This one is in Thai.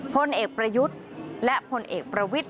คนเอกประยุจและคนเอกประวิท